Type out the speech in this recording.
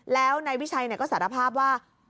แล้วนายวิชัยก็สารภาพว่า